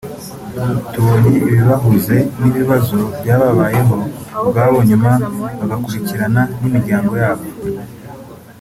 tubonye ibahuze n’ibibazo byababayeho ubwabo nyuma bigakurikirana n’imiryango yabo